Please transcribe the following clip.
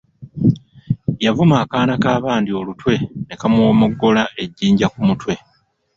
Yavuma akaana k’abandi olutwe ne kamuwomoggola ejjinja ku mutwe.